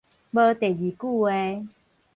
無第二句話